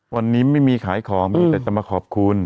วันนี้ไม่มีขายของมีแต่จะมาขอบคุณ